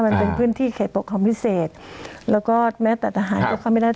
มันเป็นพื้นที่เขตปกครองพิเศษแล้วก็แม้แต่ทหารก็เข้าไม่ได้